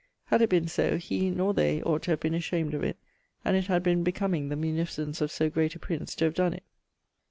Had it been so, he, nor they, ought to have been ashamed of it, and it had been becoming the munificence of so great a prince to have donne it.